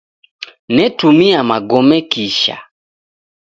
Netumia magome kisha